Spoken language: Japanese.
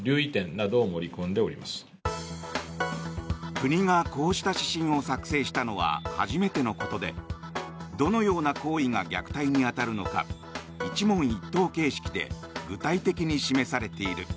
国がこうした指針を作成したのは初めてのことでどのような行為が虐待に当たるのか一問一答形式で具体的に示されている。